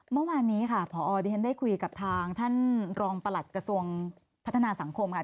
เมื่อวานนี้ค่ะพอดิฉันได้คุยกับทางท่านรองประหลัดกระทรวงพัฒนาสังคมค่ะ